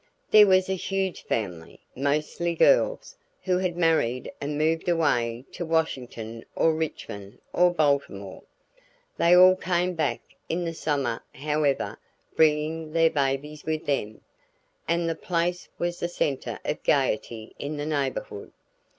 There was a huge family, mostly girls, who had married and moved away to Washington or Richmond or Baltimore. They all came back in the summer however bringing their babies with them, and the place was the center of gaiety in the neighborhood.